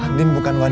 andin bukan wanita